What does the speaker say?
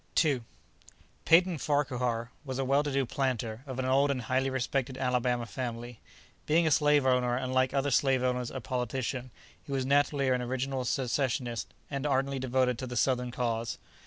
II Peyton Farquhar was a well to do planter, of an old and highly respected Alabama family. Being a slave owner and like other slave owners a politician, he was naturally an original secessionist and ardently devoted to the Southern cause.